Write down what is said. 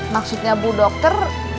maksudnya bu dokter